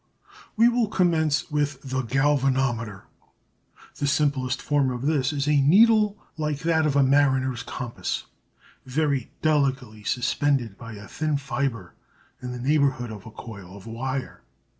We will commence with the galvanometer. The simplest form of this is a needle like that of a mariner's compass very delicately suspended by a thin fibre in the neighbourhood of a coil of wire.